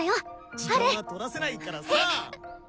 時間は取らせないからさ。